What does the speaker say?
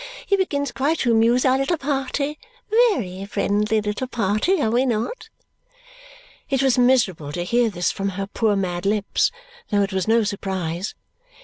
He begins quite to amuse our little party. Ve ry friendly little party, are we not?" It was miserable to hear this from her poor mad lips, though it was no surprise.